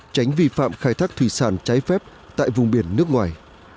tránh vi phạm khai thác thủy sản trái phép tại vùng biển nước ngoài